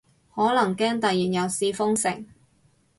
可能驚突然又試封城